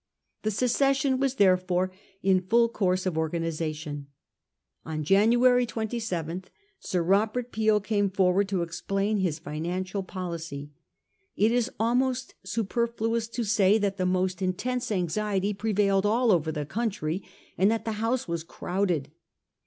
The secession was, therefore, in full course of organisation. On January 27 Sir Robert Peel came forward to explain his financial policy. It is almost superfluous to say that the most intense anxiety prevailed all over the country, and that the House was crowded.